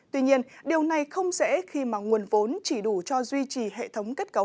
tuy nhiên điều này không dễ khi mà nguồn vốn chỉ đủ cho duy trì hệ thống kết cấu